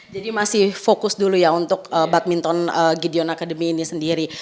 jadi masih fokus dulu ya untuk badminton gideon academy ini sendiri